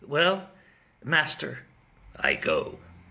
Well, master, I go.